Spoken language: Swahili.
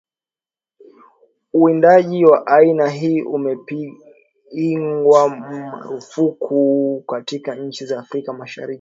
uwindaji wa aina hii umepigwa marufuku katika nchi za Afrika Mashariki